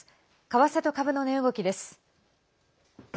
為替と株の値動きです。